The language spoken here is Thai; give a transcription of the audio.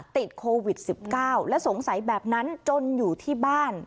ติดโควิด๑๙และสงสัยแบบนั้นจนอยู่ที่บ้าน